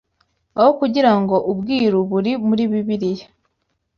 Aho kugira ngo ubwiru buri muri Bibiliya